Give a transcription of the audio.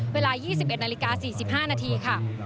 เวลา๒๑นาฬิกา๔๕นาทีค่ะ